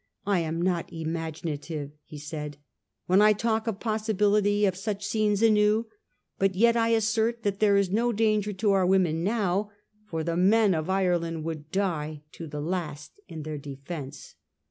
' I am not imaginative,' he said, ' when I talk of the possibility of such scenes anew ; but yet I assert that there is no danger to our women now, for the men of Ireland would die to the last in their defence.